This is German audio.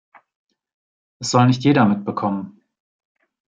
Es soll nicht jeder mitbekommen.